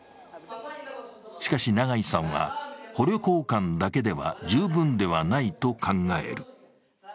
しかし、永井さんは捕虜交換だけでは十分ではないと考える。